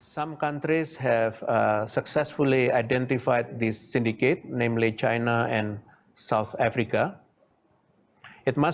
beberapa negara telah berhasil mengidentifikasi sindiket ini yaitu china dan afrika selatan